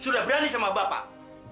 sudah berani sama bapak